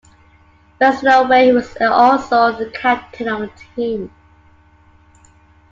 Westerlo where he was also the captain of the team.